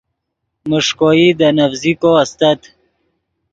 میݰکوئی دے نڤزیکو استت